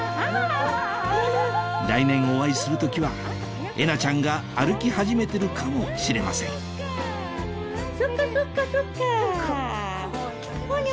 来年お会いする時はえなちゃんが歩き始めてるかもしれませんそっかそっかそっか。